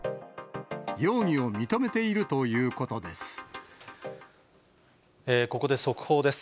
容疑を認めているということここで速報です。